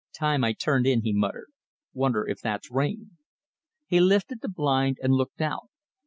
"Time I turned in," he muttered. "Wonder if that's rain." He lifted the blind and looked out.